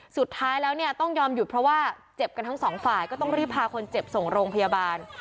สุดท้ายแล้วเนี่ยต้องยอมหยุดเพราะว่าเจ็บกันทั้งสองฝ่ายก็ต้องรีบพาคนเจ็บส่งโรงพยาบาล